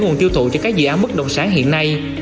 nguồn tiêu thụ cho các dự án bất động sản hiện nay